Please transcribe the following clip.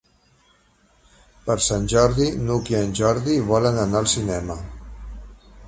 Per Sant Jordi n'Hug i en Jordi volen anar al cinema.